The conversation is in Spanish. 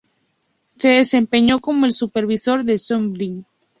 Se desempeñó como el supervisor de Songbird.